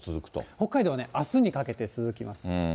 北海道はね、あすにかけて続きます。